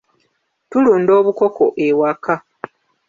Tulunda obukoko ewaka.